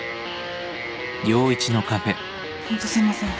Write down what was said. ホントすいません。